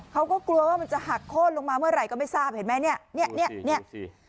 เขาก็กลัวว่ามันจะหักโค้นลงมาเมื่อไหร่ก็ไม่ทราบเห็นไหมเนี่ยเนี่ยสิ